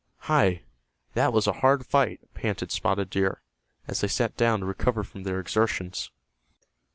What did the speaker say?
"Hi, that was a hard fight," panted Spotted Deer, as they sat down to recover from their exertions.